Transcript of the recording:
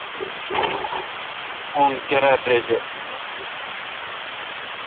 اُن کیرا تریجہ۔